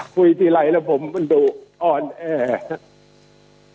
คุยที่ไหร่แล้วผมก็ดูออนแอร์